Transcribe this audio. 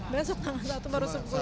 besok kan saat itu baru sebulan